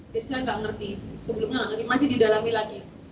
jadi saya enggak ngerti sebelumnya enggak ngerti masih didalami lagi